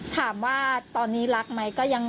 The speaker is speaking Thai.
ถามว่าตอนนี้รักไหม